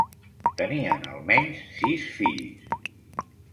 Tenien almenys sis fills.